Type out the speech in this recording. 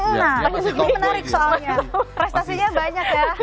nah ini menarik soalnya prestasinya banyak ya